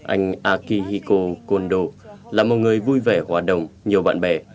anh akihiko kondo là một người vui vẻ hòa đồng nhiều bạn bè